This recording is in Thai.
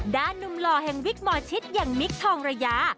นุ่มหล่อแห่งวิกหมอชิตอย่างมิคทองระยา